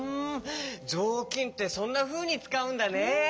ぞうきんってそんなふうにつかうんだね。